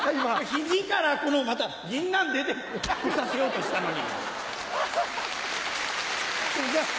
肘からまた銀杏出て来させようとしたのに。